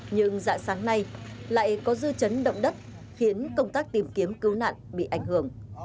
nhưng dạng sáng nay lại có dư chấn động đất khiến công tác tìm kiếm cứu nạn bị ảnh hưởng